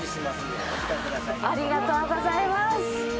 ありがとうございます。